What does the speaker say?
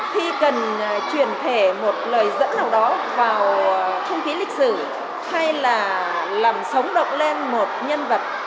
khi cần truyền thể một lời dẫn nào đó vào không khí lịch sử hay là làm sống động lên một nhân vật